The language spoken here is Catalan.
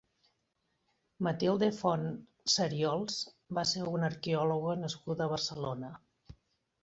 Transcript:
Matilde Font Sariols va ser una arqueòloga nascuda a Barcelona.